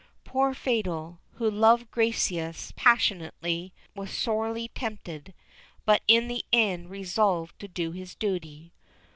Poor Fatal, who loved Gracieuse passionately, was sorely tempted, but in the end resolved to do his duty.